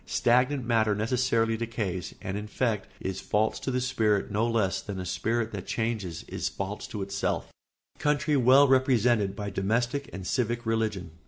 Stagnant matter necessarily decays and in effect is false to the spirit no less than a spirit that changes is false to itself. [Sidenote: Country well represented by domestic and civic religion.